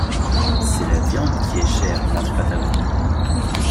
C’est la viande qui est chère, mame Patagon!